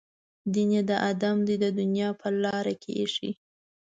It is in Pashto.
دین یې دام دی د دنیا په لار کې ایښی.